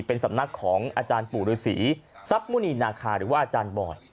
เป็นสำนักของอาจารย์ปู่ฤษีทรัพย์มุณีนาคาหรือว่าอาจารย์บอย